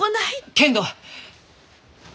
けんど！